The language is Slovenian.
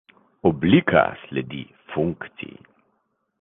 Oblika sledi funkciji.